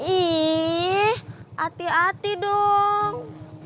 ih hati hati dong